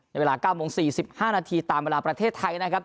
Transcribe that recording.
เวลา๙โมง๔๕นาทีตามเวลาประเทศไทยนะครับ